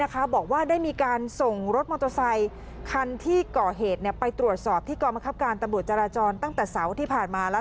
บอกว่าได้มีการส่งรถมอเตอร์ไซคันที่ก่อเหตุไปตรวจสอบที่กรมคับการตำรวจจราจรตั้งแต่เสาร์ที่ผ่านมาแล้ว